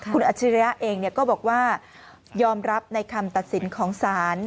คุณอัจฉริยะเองก็บอกว่ายอมรับในคำตัดสินของศาล